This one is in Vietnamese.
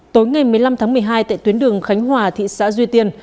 tối ngày một mươi năm tháng một mươi hai tại tuyến đường khánh hòa thị xã duy tiên